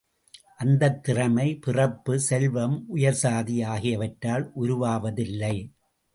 அந்தத் திறமை, பிறப்பு, செல்வம், உயர்சாதி, ஆகியவற்றால் உருவாவதில்லை.